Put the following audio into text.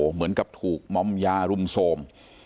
เหมือนกับถูกมอมยารุมโทรม